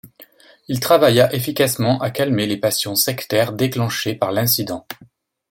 Il travailla efficacement à calmer les passions sectaires déclenchées par l'incident.